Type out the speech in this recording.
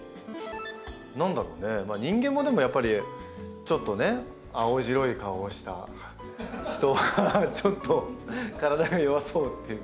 何だろうね人間もでもやっぱりちょっとね青白い顔をした人はちょっと体が弱そうっていうか。